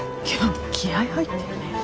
今日気合い入ってるね。